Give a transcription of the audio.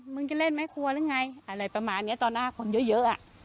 มึงจะเล่นแม่ครัวหรือไงอะไรประมาณเนี้ยตอนหน้าคนเยอะเยอะอ่ะ